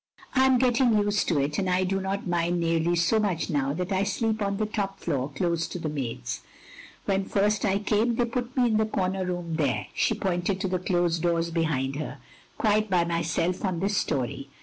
"I am getting used to it, and I do not mind nearly so much now that I sleep on the top floor close to the maids. When first I came they put me in the comer room therCy " she pointed to the closed doors behind her, "quite by myself on this storey.